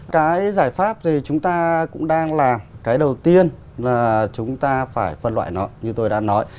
cái giải pháp thì chúng ta cũng đang làm cái đầu tiên là chúng ta phải phân loại nó như tôi đã nói